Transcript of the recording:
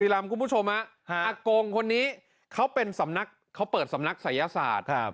บุรีรำคุณผู้ชมอากงคนนี้เขาเปิดสำนักศัยยศาสตร์